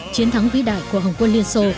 chiến thắng vĩ đại của hồng quân liên xô